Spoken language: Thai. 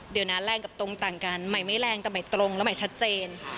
เดี๋ยวนะแรงกับตรงต่างกันใหม่ไม่แรงแต่ใหม่ตรงแล้วใหม่ชัดเจน